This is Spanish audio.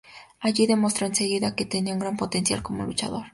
Allí demostró enseguida que tenía un gran potencial como luchador.